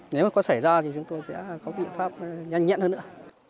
nếu mà có xảy ra thì chúng tôi sẽ có biện pháp nhanh nhẹn hơn nữa